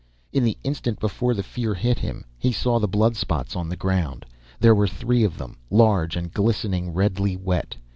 In the instant before the fear hit him he saw the blood spots on the ground. There were three of them, large and glistening redly wet.